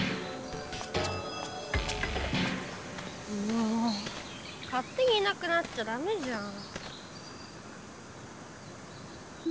もう勝手にいなくなっちゃダメじゃん。